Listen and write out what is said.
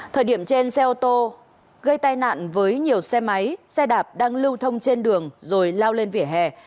thời điểm trên xe ô tô gây tai nạn với nhiều xe máy xe đạp đang lưu thông trên đường rồi lao lên vỉa hè